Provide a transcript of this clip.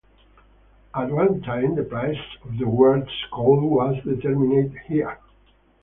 At one time the price of the world's coal was determined here.